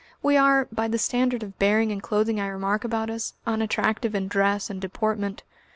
We are, by the standard of bearing and clothing I remark about us, unattractive in dress and deportment.